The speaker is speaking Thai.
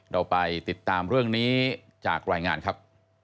เราไปติดตามเรื่องนี้จากรายงานครับ